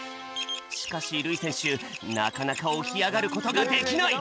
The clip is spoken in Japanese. しかしるいせんしゅなかなかおきあがることができない！